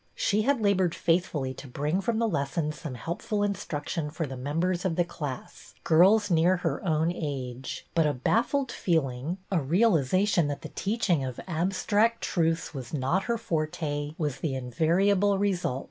She had la bored faithfully to bring from the lessons some helpful instruction for the members of the class, girls near her own age ; but a baffled feeling, a realization that the teach ing of abstract truths was not her forte, was the invariable result.